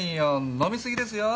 飲み過ぎですよ！